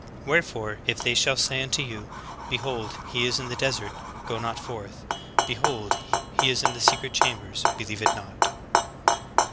Wherefore if they shall say unto you, Behold, he is in the desert; go not forth: behold he is in the secret chambers; believe it not."